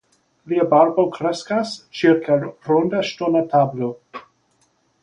Lia barbo kreskas ĉirkaŭ ronda ŝtona tablo.